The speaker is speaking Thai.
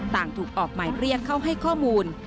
ถูกออกหมายเรียกเข้าให้ข้อมูล